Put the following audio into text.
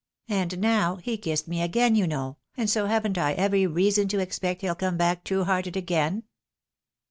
and now, he kissed me again, you know, and so haven't I every reason to expect he'll come back true hearted again